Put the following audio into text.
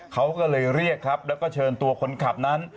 เขาก็เลยเรียกครับแล้วก็เชิญตัวคนขับนั้น